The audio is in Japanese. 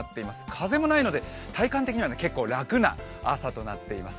風もないので、体感的には結構楽な朝となっています。